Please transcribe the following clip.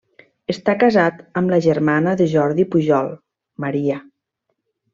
Està casat amb la germana de Jordi Pujol, Maria.